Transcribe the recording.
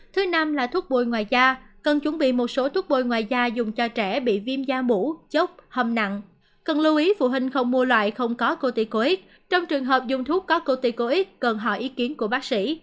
thứ năm thuốc bồi ngoài da cần chuẩn bị một số thuốc bồi ngoài da dùng cho trẻ bị viêm da mũ chốc hâm nặng cần lưu ý phụ huynh không mua loại không có cotycoid trong trường hợp dùng thuốc có cotycoid cần hỏi ý kiến của bác sĩ